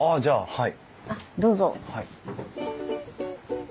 はい。